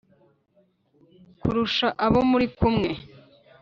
kurusha abo muri kumwe